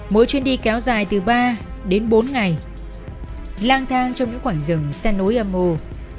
mỗi chuyến đi kéo dài từ ba đến bốn ngày lang thang trong những khoảng rừng xe nối âm mưu